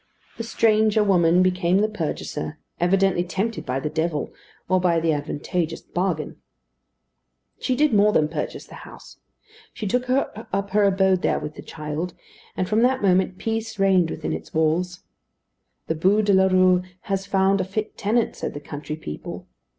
The stranger woman became the purchaser, evidently tempted by the devil, or by the advantageous bargain. She did more than purchase the house; she took up her abode there with the child; and from that moment peace reigned within its walls. The Bû de la Rue has found a fit tenant, said the country people.